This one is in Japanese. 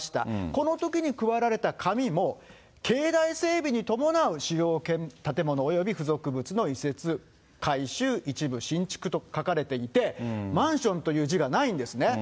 このときに配られた紙も、境内整備に伴う主要建物および付属物の移設、改修、一部新築と書かれていて、マンションという字がないんですね。